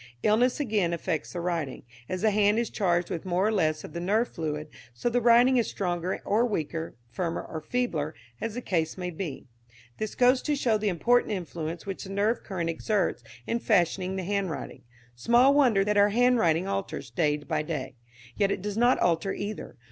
"Illness, again, affects the writing. As the hand is charged with more or less of the nerve fluid, so the writing is stronger or weaker, firmer or feebler, as the case may be. "This goes to show the important influence which the nerve current exerts in fashioning the handwriting. Small wonder that our handwriting alters day by day. Yet it does not alter either.